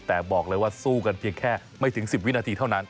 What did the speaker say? แต่บอกเลยว่าสู้กันเพียงแค่ไม่ถึง๑๐วินาทีเท่านั้น